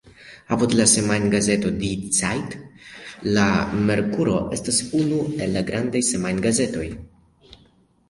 Apud la semajngazeto Die Zeit la Merkuro estas unu el la grandaj semajn-gazetoj.